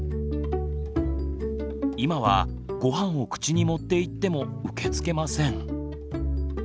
今はごはんを口に持っていっても受け付けません。